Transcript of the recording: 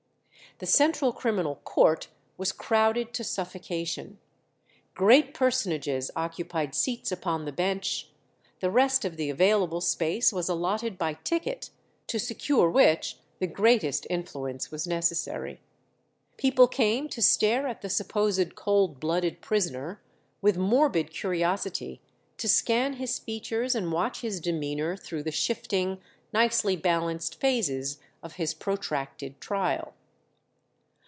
The Central Criminal Court was crowded to suffocation. Great personages occupied seats upon the bench; the rest of the available space was allotted by ticket, to secure which the greatest influence was necessary. People came to stare at the supposed cold blooded prisoner; with morbid curiosity to scan his features and watch his demeanour through the shifting, nicely balanced phases of his protracted trial.